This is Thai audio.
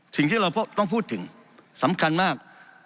สิ่งที่เราต้องพูดถึงสำคัญมาก